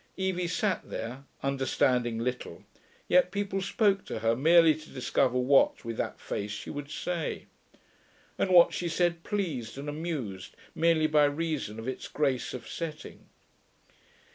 Evie sat there, understanding little, yet people spoke to her merely to discover what, with that face, she would say. And what she said pleased and amused merely by reason of its grace of setting.